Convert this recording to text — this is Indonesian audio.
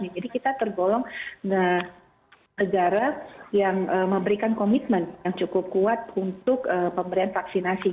jadi kita tergolong negara yang memberikan komitmen yang cukup kuat untuk pemberian vaksinasi